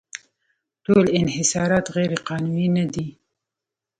ټول انحصارات غیرقانوني نه دي.